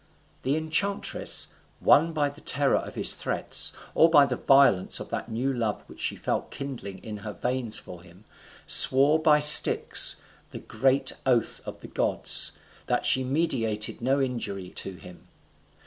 The enchantress, won by the terror of his threats, or by the violence of that new love which she felt kindling in her veins for him, swore by Styx, the great oath of the gods, that she meditated no injury to him.